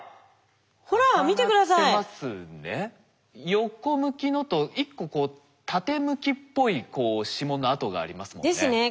横向きのと１個こう縦向きっぽい指紋の跡がありますもんね。ですね。